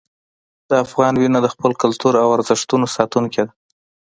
د افغان وینه د خپل کلتور او ارزښتونو ساتونکې ده.